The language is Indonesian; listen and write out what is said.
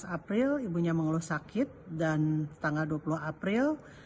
tujuh belas april ibunya mengeluh sakit dan tanggal dua puluh april